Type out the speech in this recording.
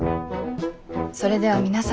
それでは皆様